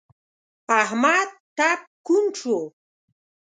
احمد ټپ کوڼ شو.